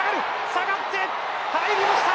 下がって入りました！